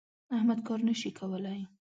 احمد کار نه شي کولای.